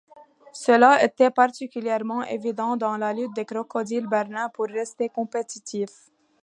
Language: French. Cela était particulièrement évident dans la lutte des Crocodiles Berlin pour rester compétitif.